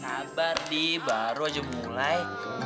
sabar nih baru aja mulai